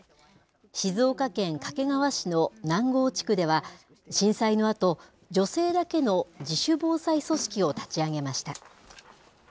静岡県掛川市の南郷地区では、震災のあと、女性だけの自主防災組織を立ち上げました。